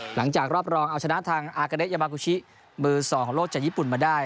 หลังจากรอบรองเอาชนะทางอากาเดยามากูชิมือ๒ของโลกจากญี่ปุ่นมาได้